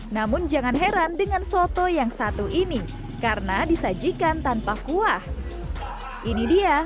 namun jangan heran dengan soto yang satu ini karena disajikan tanpa kuah ini dia